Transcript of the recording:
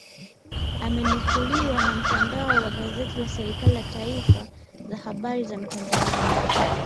Amenukuliwa na mtandao wa gazeti la serikali la taarifa za habari za mtandaoni